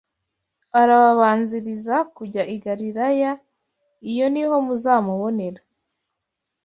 Arababanziriza kujya i Galilaya; iyo ni ho muzamubonera.